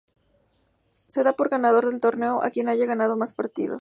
Se da por ganador del torneo a quien haya ganado más partidos.